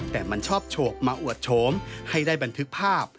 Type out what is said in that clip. แต่มันชอบโฉกมาอวดโฉมให้ได้บันทึกภาพ